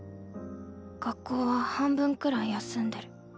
学校は半分くらい休んでる。